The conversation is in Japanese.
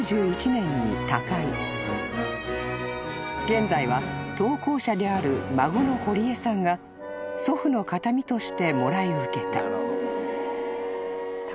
［現在は投稿者である孫の堀江さんが祖父の形見としてもらい受けた］